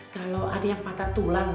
kalau ada yang patah tulang